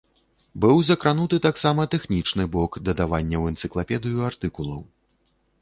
Быў закрануты таксама тэхнічны бок дадавання ў энцыклапедыю артыкулаў.